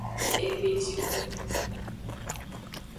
Egbejimu.